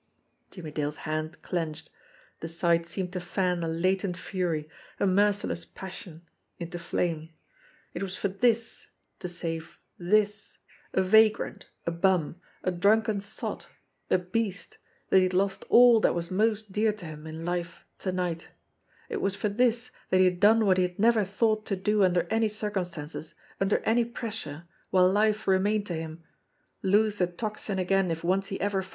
Jimmie Dale's hand clenched. The sight seemed to fan a latent fury, a merciless passion into flame. It was for this, 126 JIMMIE DALE AND THE PHANTOM CLUE to save this, a vagrant, a bum, a drunken sot, a beast, that he had lost all that was most dear to him in life to night ; it was for this that he had done what he had never thought to do under any circumstances, under any pressure, while life remained to him lose the Tocsin again if once he ever found her